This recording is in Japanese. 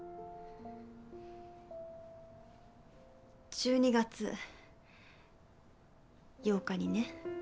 １２月８日にね。